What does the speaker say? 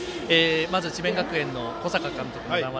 まず智弁学園の小坂監督の談話